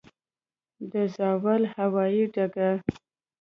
د زاول هوايي ډګر